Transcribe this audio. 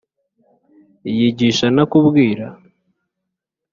yigisha nta kubwira